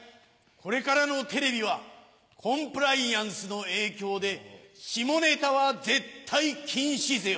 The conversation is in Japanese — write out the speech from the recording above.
これからのテレビはコンプライアンスの影響で下ネタは絶対禁止ぜよ。